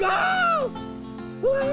うわ！